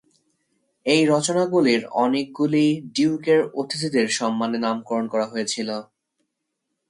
এই রচনাগুলির অনেকগুলি ডিউকের অতিথিদের সম্মানে নামকরণ করা হয়েছিল।